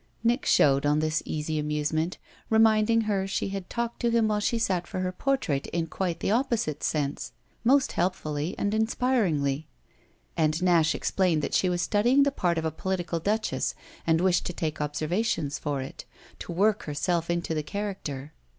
Nick showed on this easy amusement, reminding her she had talked to him while she sat for her portrait in quite the opposite sense, most helpfully and inspiringly; and Nash explained that she was studying the part of a political duchess and wished to take observations for it, to work herself into the character.